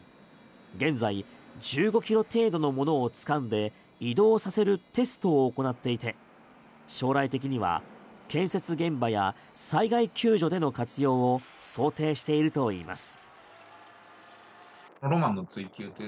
現在１５ｋｇ程度のものをつかんで移動させるテストを行っていて将来的には建設現場や災害救助での活用を想定しているといいます。